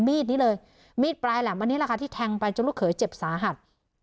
มีดนี้เลยมีดปลายแหลมอันนี้แหละค่ะที่แทงไปจนลูกเขยเจ็บสาหัส